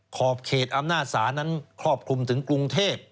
ขอบเขตอำนาจศาลนั้นครอบคลุมถึงกรุงเทพ